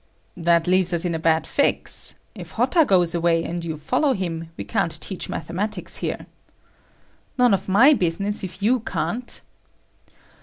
"That leaves us in a bad fix. If Hotta goes away and you follow him, we can't teach mathematics here." "None of my business if you can't."